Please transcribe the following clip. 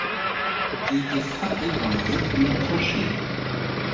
J’ai été frappé par leurs opinions tranchées.